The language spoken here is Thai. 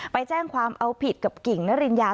ไปแจ้งความเอาผิดกับกิ่งนริญญา